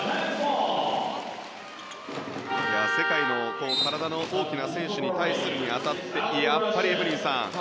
世界の体の大きな選手と対するに当たってやっぱりエブリンさん